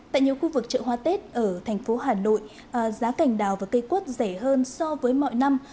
tại nhiều khu vực chợ hoa tết ở thành phố hà nội giá cảnh đào và cây cuốt rẻ hơn so với mọi năm